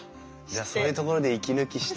そういうところで息抜きして。